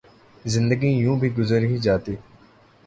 زندگی یوں بھی گزر ہی جاتی